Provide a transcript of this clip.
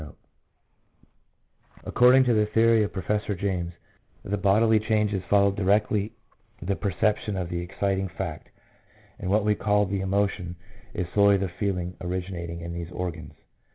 163 According to the theory of Professor James, the bodily changes follow directly the perception of the exciting fact, and what we call the emotion is solely the feelings originating in these organs.